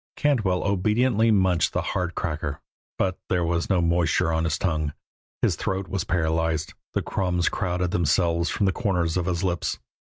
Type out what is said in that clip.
Cantwell obediently munched the hard cracker, but there was no moisture on his tongue; his throat was paralyzed; the crumbs crowded themselves from the corners of his lips.